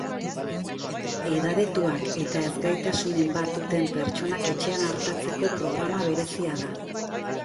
Edadetuak eta ez-gaitasunen bat duten pertsonak etxean artatzeko programa berezia da.